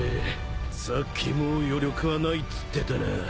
さっきもう余力はないっつってたな。